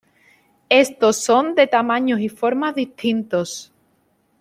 Estos son de tamaños y formas distintos.